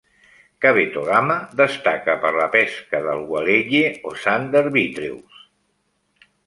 Kabetogama destaca per la pesca del "walleye" o "Sander vitreus".